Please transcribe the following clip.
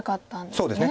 そうですね。